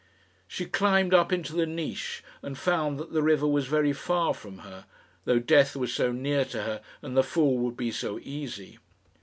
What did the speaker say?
She climbed up into the niche, and found that the river was very far from her, though death was so near to her and the fall would be so easy.